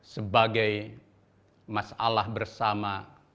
sebagai masalah bersama